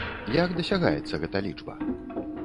Як дасягаецца гэта лічба?